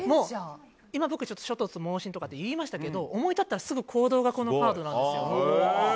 今、猪突猛進っていいましたけど思い立ったらすぐ行動がこのカードなんです。